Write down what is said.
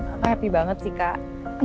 aku happy banget sih kak